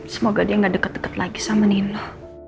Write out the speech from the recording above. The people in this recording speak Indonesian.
semoga dia gak deket deket lagi sama nino